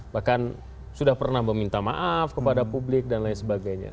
bahkan sudah pernah meminta maaf kepada publik dan lain sebagainya